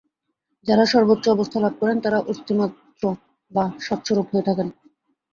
যাঁরা সর্বোচ্চ অবস্থা লাভ করেন, তাঁরা অস্তিমাত্র বা সৎস্বরূপ হয়ে থাকেন।